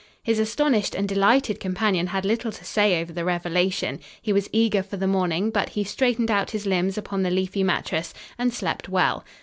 His astonished and delighted companion had little to say over the revelation. He was eager for the morning, but he straightened out his limbs upon the leafy mattress and slept well.